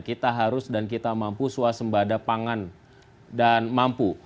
kita harus dan kita mampu swasembada pangan dan mampu